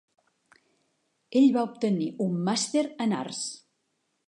Ell va obtenir un Màster en Arts.